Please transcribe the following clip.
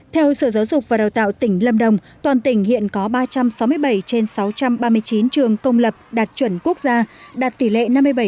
theo sở giáo dục và đào tạo tỉnh lâm đồng toàn tỉnh hiện có ba trăm sáu mươi bảy trên sáu trăm ba mươi chín trường công lập đạt chuẩn quốc gia đạt tỷ lệ năm mươi bảy